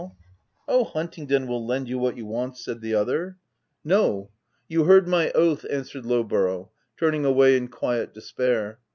36 THE TENANT "' Oh, Huntingdon will lend you what you want/ said the other. "'No ; you heard my oath/ answered Low borough, turning away in quiet despair.